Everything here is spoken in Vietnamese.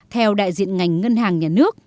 theo đại diện ngành ngân hàng nhà nước